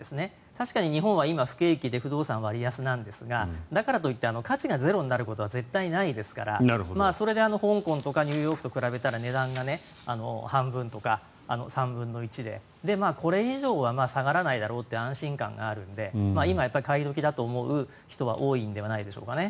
確かに日本は今、不景気で不動産は割安ですがだからといって価値がゼロになることは絶対ないですからそれで香港とかニューヨークとか比べたら値段が半分とか３分の１で、これ以上は下がらないだろうという安心感があるので今、買い時だと思う人は多いのではないでしょうかね。